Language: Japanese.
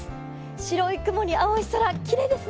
白い雲に青い空、きれいですね。